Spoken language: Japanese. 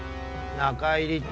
中入りっ